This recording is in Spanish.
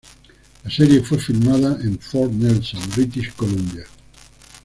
La serie fue filmada en Fort Nelson, British Columbia.